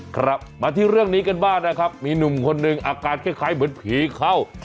ครับมาที่เรื่องนี้กันบ้างนะครับมีหนุ่มคนหนึ่งอาการคล้ายเหมือนผีเข้า